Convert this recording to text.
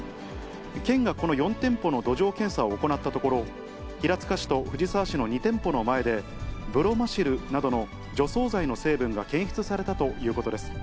県がこの４店舗の土壌検査を行ったところ、平塚市と藤沢市の２店舗の前で、ブロマシルなどの除草剤の成分が検出されたということです。